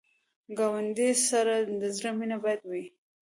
ګاونډي سره د زړه مینه باید وي